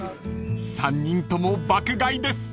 ［３人とも爆買いです］